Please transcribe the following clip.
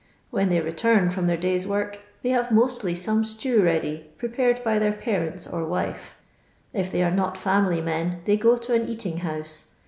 " When they return from their day's work they have mostly some stew ready, prepared by their parents or wife. If they are not fiunily men they go to an eating house.